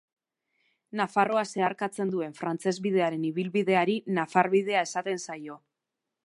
Nafarroa zeharkatzen duen Frantses bidearen ibilbideari Nafar bidea esaten zaio.